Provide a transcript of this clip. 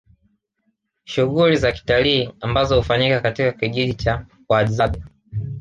Shughuli za kitalii ambazo hufanyika katika kijiji cha Wahadzabe